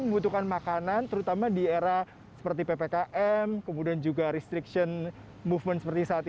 membutuhkan makanan terutama di era seperti ppkm kemudian juga restriction movement seperti saat